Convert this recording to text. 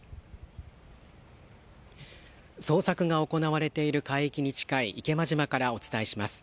捜索が行われている海域に近い池間島からお伝えします。